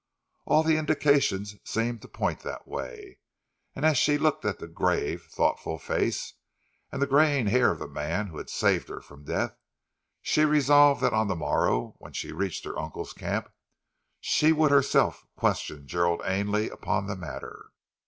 All the indications seemed to point that way; and as she looked at the grave, thoughtful face, and the greying hair of the man who had saved her from death, she resolved that on the morrow, when she reached her uncle's camp, she would herself question Gerald Ainley upon the matter.